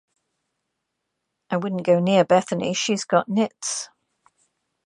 I wouldn't go near Bethany, she's got nits.